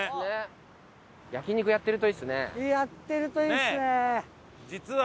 やってるといいですね！